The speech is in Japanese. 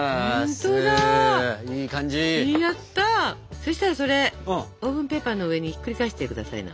そしたらそれオーブンペーパーの上にひっくり返してくださいな。